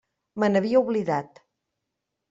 Me n'havia oblidat.